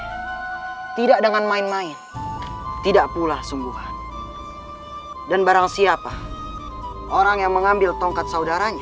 hai tidak dengan main main tidak pulah sumpuhan dan barangsiapa orang menggambil tongkat saudaranya